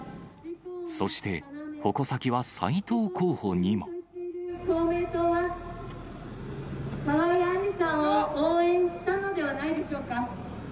そして、公明党は、河井案里さんを応援したのではないでしょうか。